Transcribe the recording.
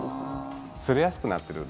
すれやすくなってる部分。